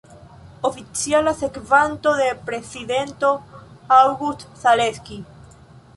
Oficiala sekvanto de prezidento August Zaleski.